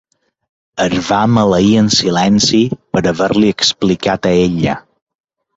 Es va maleir en silenci per haver-li explicat a ella.